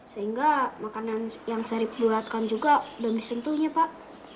sehingga makanan yang sarip buatkan juga udah bisa sentuhnya pak